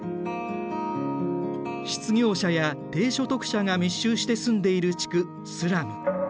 失業者や低所得者が密集して住んでいる地区スラム。